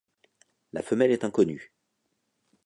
La femelle est inconnue.